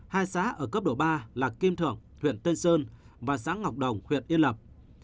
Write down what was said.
hai xã ở cấp độ ba là kim thượng huyện tây sơn và xã ngọc đồng huyện yên lập